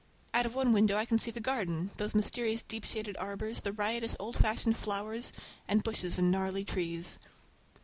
Out of one window I can see the garden, those mysterious deep shaded arbors, the riotous old fashioned flowers, and bushes and gnarly trees.